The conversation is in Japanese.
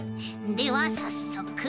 ではさっそく。